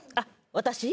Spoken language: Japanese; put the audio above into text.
私？